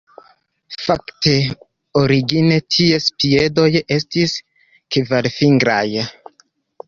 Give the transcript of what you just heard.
Fakte, origine ties piedoj estis kvarfingraj.